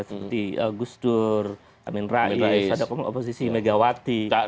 seperti gus dur amin rais ada oposisi megawati